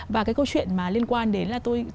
và cái câu chuyện mà liên quan đến